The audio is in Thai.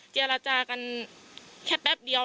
เจรจากันแค่แป๊บเดียว